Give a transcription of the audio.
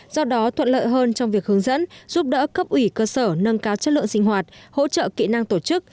do đó thuận lợi hơn trong việc hướng dẫn giúp đỡ cấp ủy cơ sở nâng cao chất lượng sinh hoạt hỗ trợ kỹ năng tổ chức